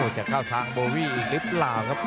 จะเข้าทางโบวี่อีกหรือเปล่าครับ